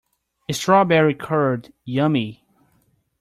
Strawberry curd, yummy!